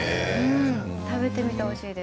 食べてみてほしいです。